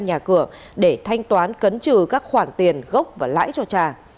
nhà cửa để thanh toán cấn trừ các khoản tiền gốc và lãi cho trà